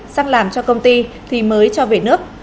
sang làm cho công ty thì mới cho về nước